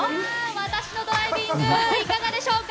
私のドライビングいかがでしょうか。